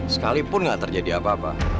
sekalipun nggak terjadi apa apa